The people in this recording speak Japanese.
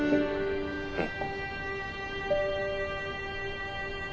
うん。